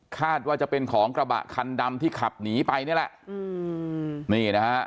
คาดว่าจะเป็นของกระบะคันดำที่ขับหนีไปนี่แหละอืมนี่นะฮะ